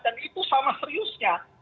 dan itu sama seriusnya